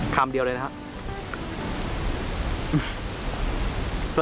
คำเดียวเลยนะครับ